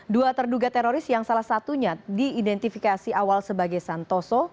dua terduga teroris yang salah satunya diidentifikasi awal sebagai santoso